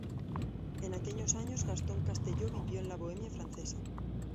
En aquellos años Gastón Castelló vivió en la bohemia francesa.